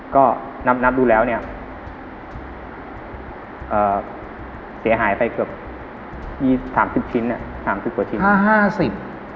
ก็นับดูแล้วเนี่ยเสียหายไปเกือบ๓๐ชิ้นอ่ะ๓๐กว่าชิ้น